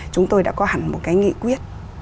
chúng tôi đã có hẳn một cái nghị quyết